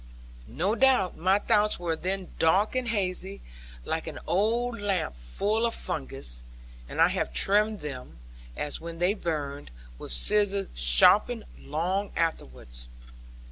No doubt my thoughts were then dark and hazy, like an oil lamp full of fungus; and I have trimmed them, as when they burned, with scissors sharpened long afterwards.